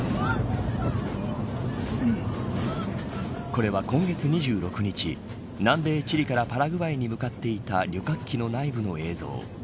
これは今月２６日南米チリからパラグアイに向かっていた旅客機の内部の映像。